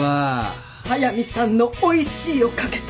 速見さんの「おいしい」を懸けた。